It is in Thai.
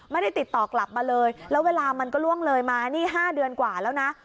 ไม่ได้ติดต่อกลับมาเลยแล้วเวลามันก็ล่วงเลยมานี่๕เดือนกว่าแล้วนะ